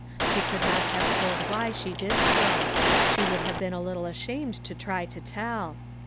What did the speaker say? She could not have told why she did so ; she would have been a little ashamed to try to tell.